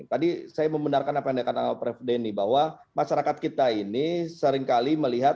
tadi saya membenarkan apa yang dikatakan prof denny bahwa masyarakat kita ini seringkali melihat